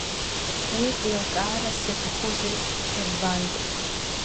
Уи еилкаарас иаҭахузеи, Ерванд?!